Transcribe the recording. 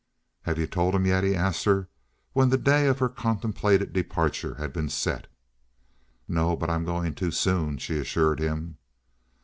"Have you told him yet?" he asked her, when the day of her contemplated departure had been set. "No; but I'm going to soon," she assured him.